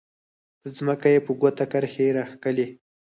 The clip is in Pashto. په ځمکه یې په ګوته کرښې راښکلې.